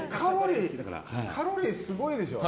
カロリーすごいでしょ。